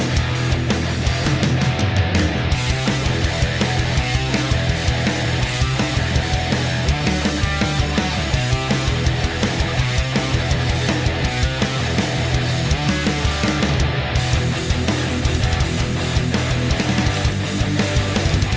ขอบคุณทุกคนครับ